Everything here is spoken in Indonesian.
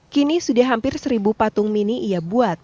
kini sudah hampir seribu patung mini ia buat